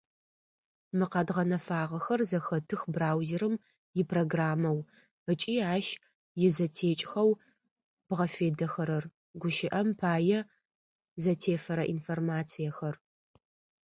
Мы къэдгъэнэфагъэхэр зэхэтых браузерым ипрограммэу ыкӏи ащ изэтекӏхэу бгъэфедэхэрэр, гущыӏэм пае, зэтефэрэ информациехэр.